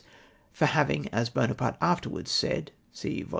f For having, as Buonaparte afterwards said (see Vol.